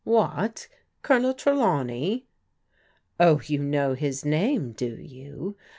"What, Colonel Trelawney?" " Oh, you know his name, do you?